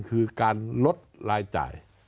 คือการลดรายจ่าย